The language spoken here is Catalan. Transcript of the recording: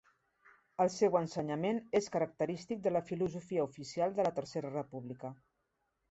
El seu ensenyament és característic de la filosofia oficial de la Tercera República.